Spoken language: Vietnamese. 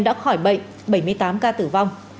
đã khỏi bệnh bảy mươi tám ca tử vong